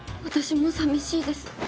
私もさみしいです。